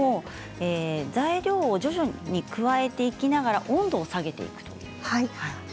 材料を徐々に加えていきながら温度を下げていくということですね。